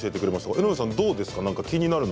江上さん、どうですか？